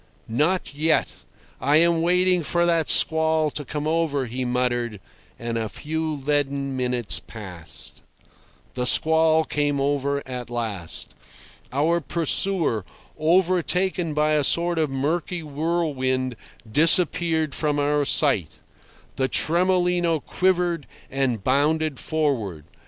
"Not yet. I am waiting for that squall to come over," he muttered. And a few leaden minutes passed. The squall came over at last. Our pursuer, overtaken by a sort of murky whirlwind, disappeared from our sight. The Tremolino quivered and bounded forward.